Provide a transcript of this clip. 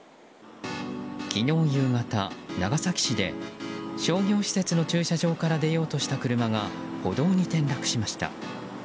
昨日夕方、長崎市で商業施設の駐車場から出ようとした車が歩道に転落しました。